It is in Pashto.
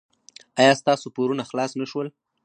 ایا ستاسو پورونه خلاص نه شول؟